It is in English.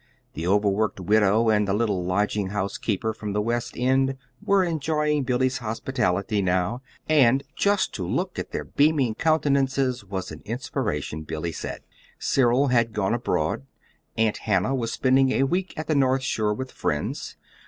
The overworked widow and the little lodging house keeper from the West End were enjoying Billy's hospitality now; and just to look at their beaming countenances was an inspiration, Billy said. Cyril had gone abroad. Aunt Hannah was spending a week at the North Shore with friends.